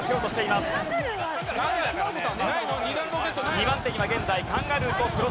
２番手には現在カンガルーとクロサイです。